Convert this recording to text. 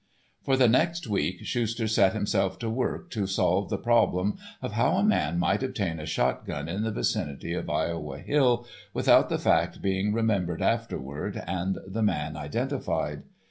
For the next week Schuster set himself to work to solve the problem of how a man might obtain a shotgun in the vicinity of Iowa Hill without the fact being remembered afterward and the man identified.